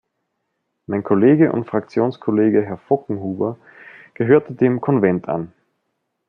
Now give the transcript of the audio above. Mein Kollege und Fraktionskollege Herr Voggenhuber gehörte dem Konvent an.